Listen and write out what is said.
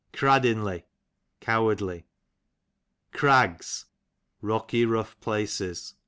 Craddinly, cowardly. Crags, rocky rough places.